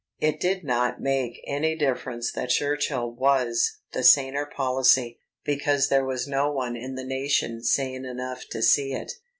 It did not make any difference that Churchill's was the saner policy, because there was no one in the nation sane enough to see it.